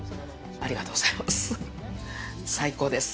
ありがとうございます。